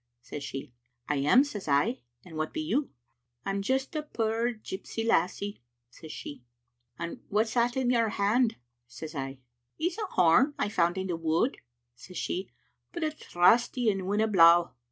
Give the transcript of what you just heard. says she. "*I am,' says I, *and wha be you?' "*I'm just a puir gypsy lassie,' she says. "*And what's that in your hand?* says I. " *It's a horn I found in the wood,' says she, *but it's rusty and winna blaw.